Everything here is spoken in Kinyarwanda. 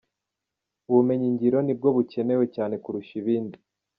Ubumenyi-ngiro ni bwo bukenewe cyane kurusha ibindi.